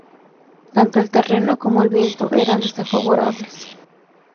Tanto el terreno como el viento eran desfavorables.